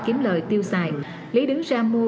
kiếm lời tiêu xài lý đứng ra mua